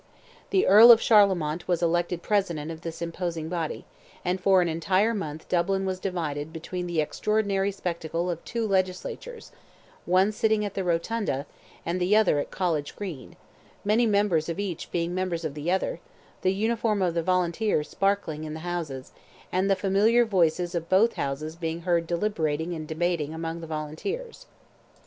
The Earl of Charlemont was elected president of this imposing body, and for an entire month Dublin was divided between the extraordinary spectacle of two legislatures—one sitting at the Rotunda, and the other at College Green, many members of each being members of the other; the uniform of the volunteer sparkling in the Houses, and the familiar voices of both Houses being heard deliberating and debating among the Volunteers.